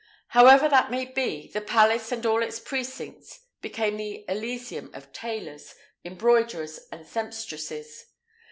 However that may be, the palace and all its precincts became the elysium of tailors, embroiderers, and sempstresses.